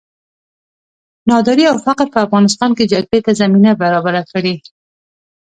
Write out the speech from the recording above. ناداري او فقر په افغانستان کې جګړې ته زمینه برابره کړې.